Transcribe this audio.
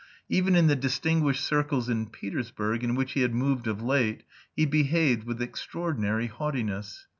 Even in the distinguished circles in Petersburg, in which he had moved of late, he behaved with extraordinary haughtiness.